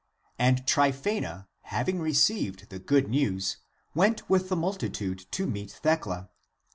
And Tryphaena having received the good news, went with the multitude to meet Thecla.